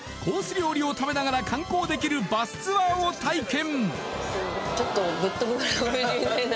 料理を食べながら観光できるバスツアーを体験